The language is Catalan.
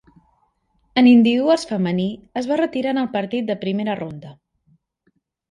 En individuals femení, es va retirar en el partit de primera ronda.